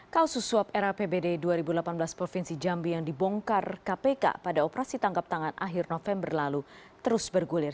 kasus suap rapbd dua ribu delapan belas provinsi jambi yang dibongkar kpk pada operasi tangkap tangan akhir november lalu terus bergulir